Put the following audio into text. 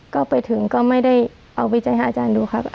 ก็ไปถึงก็ไม่ได้เอาวิจัยให้อาจารย์ดูครับ